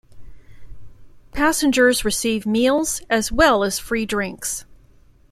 Passengers receive meals, as well as free drinks.